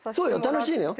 楽しいのよ。